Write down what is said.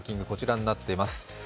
こちらになっています。